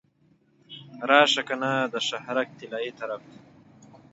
راشه کنه د شهرک طلایې طرف ته.